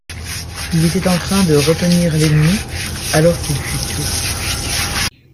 Il était en train de retenir l'ennemi alors qu'il fut tué.